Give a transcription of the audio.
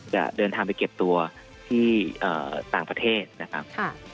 จะเดินทางไปเก็บตัวที่ต่างประเทศนะครับ